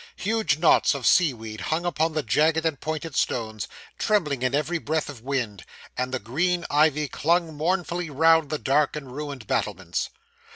Huge knots of seaweed hung upon the jagged and pointed stones, trembling in every breath of wind; and the green ivy clung mournfully round the dark and ruined battlements.